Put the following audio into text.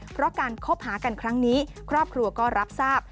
เพราะการคบหากันครั้งนี้ครอบครัวก็รับทราบ